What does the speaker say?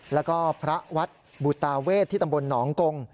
และก็พระวัดบุตราเวชที่ตมนก